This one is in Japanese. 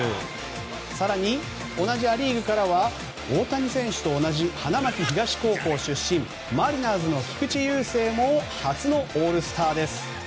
更に、同じア・リーグからは大谷選手と同じ花巻東高校出身マリナーズの菊池雄星も初のオールスターです。